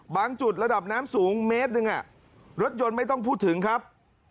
จุดระดับน้ำสูงเมตรหนึ่งรถยนต์ไม่ต้องพูดถึงครับ